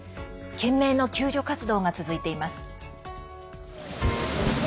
懸命の救助活動が続いています。